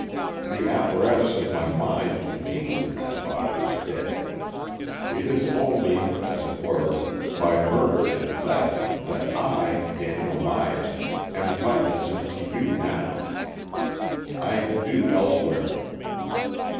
The apparatus of my mind contained in that body is dead. It is only, as it were, by murder and theft, that I, Daniel Myas, am cognizant to you now. I am due elsewhere."